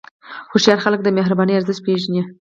هوښیار خلک د مهربانۍ ارزښت پېژني.